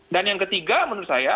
dan yang ketiga menurut saya